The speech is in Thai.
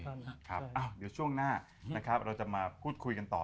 เดี๋ยวช่วงหน้านะครับเราจะมาพูดคุยกันต่อ